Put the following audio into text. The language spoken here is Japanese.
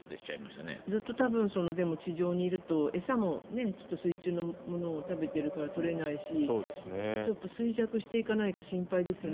ずっと地上にいると餌も水中のものを食べてるから取れないしちょっと衰弱していかないか心配ですよね。